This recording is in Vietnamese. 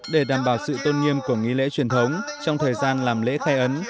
để đảm bảo sự tôn nghiêm của nghi lễ truyền thống trong thời gian làm lễ khai ấn